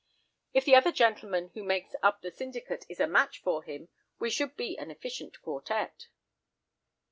"If the other gentleman who makes up the syndicate is a match for him, we should be an efficient quartette."